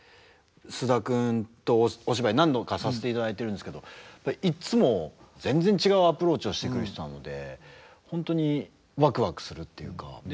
菅田君とお芝居何度かさせていただいてるんですけどいつも全然違うアプローチをしてくる人なので本当にワクワクするっていうか。